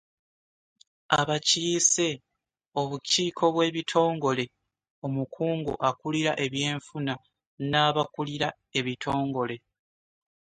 Abakiise, Obukiiko bw’ebitongole, Omukungu akulira ebyenfuna, n’Abakulira Ebitongole.